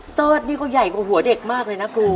เสิร์ชนี่ก็ใหญ่กว่าหัวเด็กมากเลยนะครู